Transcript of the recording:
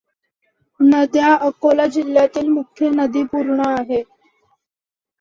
नद्या अकोला जिल्ह्यातील मुख्य नदी पूर्णा आहे.